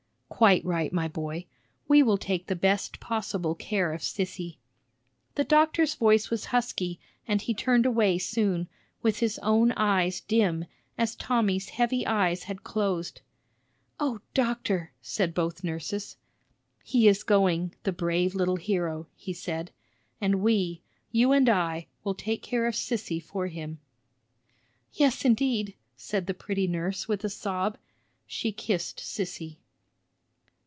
"Quite right, my boy. We will take the best possible care of Sissy." The doctor's voice was husky, and he turned away soon, with his own eyes dim, as Tommy's heavy eyes had closed. "O doctor!" said both nurses. "He is going, the brave little hero!" he said. "And we, you and I, will take care of Sissy for him." "Yes, indeed!" said the pretty nurse, with a sob; she kissed Sissy.